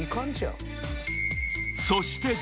［そして］